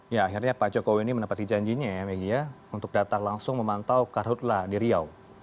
ya akhirnya pak jokowi ini menepati janjinya ya megi ya untuk datang langsung memantau karhutlah di riau